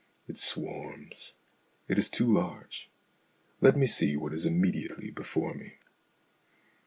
It swarms. It is too large. Let me see what is immediately before me.